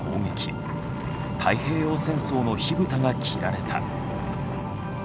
太平洋戦争の火ぶたが切られた。